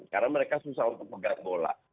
karena mereka susah untuk pegang bola